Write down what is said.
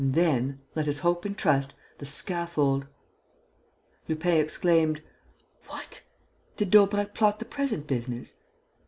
And then, let us hope and trust, the scaffold!'" Lupin exclaimed: "What! Did Daubrecq plot the present business?"